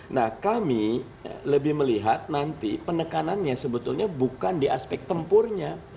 nah kami lebih melihat nanti penekanannya sebetulnya bukan di aspek tempurnya